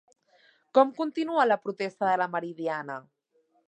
Com continua la protesta de la Meridiana?